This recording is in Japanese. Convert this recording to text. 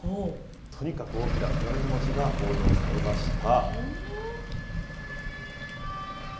とにかく大きな鏡餅が奉納されました。